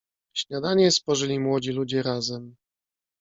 "Śniadanie spożyli młodzi ludzie razem."